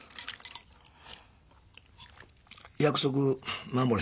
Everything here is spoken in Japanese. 約束守れ